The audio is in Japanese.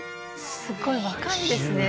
すごい若いですね